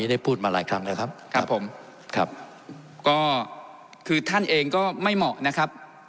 ได้พูดมาหลายครั้งแล้วครับครับผมครับก็คือท่านเองก็ไม่เหมาะนะครับ